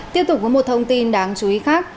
tiếp tục có một thông tin đáng chú ý khác